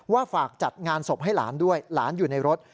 ฝากจัดงานศพให้หลานด้วยหลานอยู่ในรถ